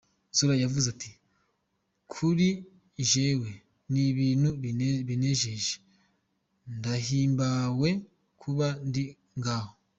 Zola yavuze ati:"Kuri jewe n'ibintu binezereje, ndahimbawe kuba ndi ngaha.